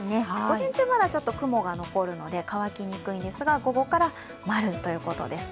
午前中まだ雲が残るので乾きにくいんですが、午後から○ということです。